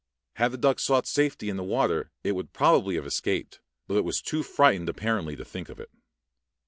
Had the duck sought safety in the water it would probably have escaped, but it was too frightened apparently to think of it.